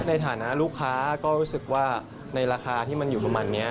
ในฐานะลูกค้าก็รู้สึกว่าในราคาที่มันอยู่ประมาณนี้